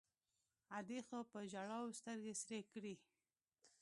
ادې خو په ژړاوو سترګې سرې کړې.